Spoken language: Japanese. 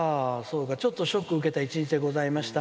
「ちょっとショックを受けた一日でございました。